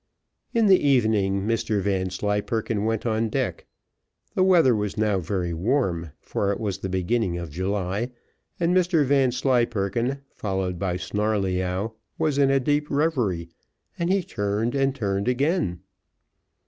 In the evening Mr Vanslyperken went on deck; the weather was now very warm, for it was the beginning of July; and Mr Vanslyperken, followed by Snarleyyow, was in a deep reverie, and he turned and turned again.